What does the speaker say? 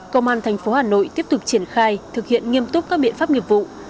công an tp hà nội tiếp tục triển khai thực hiện nghiêm túc các biện pháp nghiệp vụ